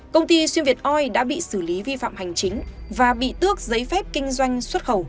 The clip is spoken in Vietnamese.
công ty xuyên việt oi đã bị xử lý vi phạm hành chính và bị tước giấy phép kinh doanh xuất khẩu